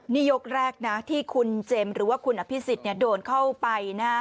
นี่ยกแรกนะที่คุณเจมส์หรือว่าคุณอภิษฎโดนเข้าไป